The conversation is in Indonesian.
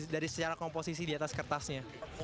dari secara komposisi di atas kertasnya